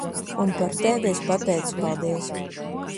Un par tevi es pateicu paldies.